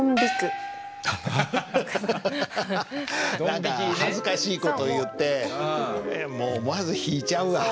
何か恥ずかしい事を言ってもう思わず引いちゃうわ。